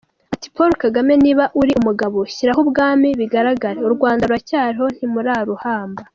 Ati Paul Kagame niba uri umugabo, shyiraho ubwami bigaragare ; U Rwanda ruracyariho ntimuraruhamba.